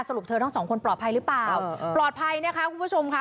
สรุปเธอทั้ง๒คนปลอดภัยหรือเปล่าปลอดภัยเนี่ยค่ะคุณผู้ชมค่ะ